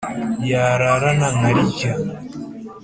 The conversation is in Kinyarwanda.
Yararana Nkara irya